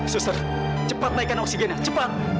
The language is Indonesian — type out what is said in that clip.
sister cepat naikkan oksigennya cepat